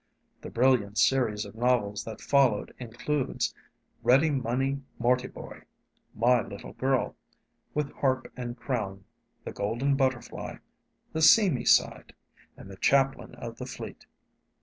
The brilliant series of novels that followed includes 'Ready Money Morti boy,' 'My Little Girl,' 'With Harp and Crown,' 'The Golden Butterfly,' 'The Seamy Side,' and 'The Chaplain of the Fleet.'